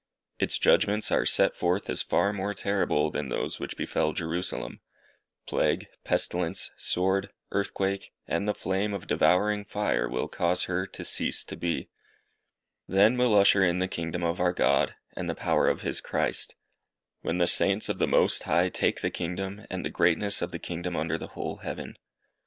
Its judgments are set forth as far more terrible than those which befell Jerusalem. Plague, pestilence, sword, earthquake, and the flame of devouring fire will cause her to cease to be. Then will usher in the kingdom of our God, and the power of His Christ. Then will the Saints of the Most High take the kingdom, and the greatness of the kingdom under the whole heaven.